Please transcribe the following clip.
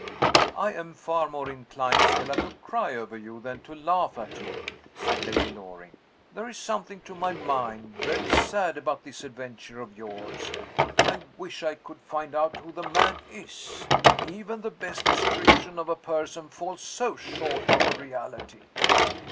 "I am far more inclined, Stella, to cry over you than to laugh at you," said Lady Loring. "There is something, to my mind, very sad about this adventure of yours. I wish I could find out who the man is. Even the best description of a person falls so short of the reality!"